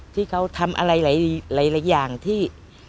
ที่เขาทำอะไรหลายอย่างที่